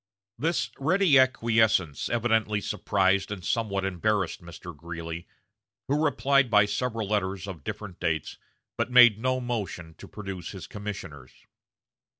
This ready acquiescence evidently surprised and somewhat embarrassed Mr. Greeley, who replied by several letters of different dates, but made no motion to produce his commissioners.